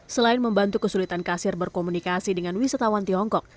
selain membantu kesulitan kasir berkomunikasi dengan wisatawan tiongkok